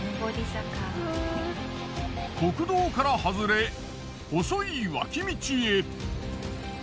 国道から外れ細い脇道へ。